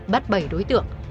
bắt bảy đối tượng